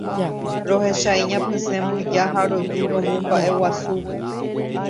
Rohecha iñapysẽ imbyja ha roju romombaʼeguasúvo.